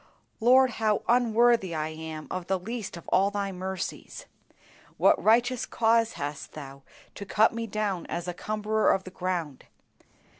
Lord, how unworthy I am of the least of all Thy mercies! What righteous cause hast Thou to cut me down as a cumberer of the ground.